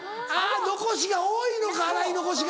残しが多いのか洗い残しが。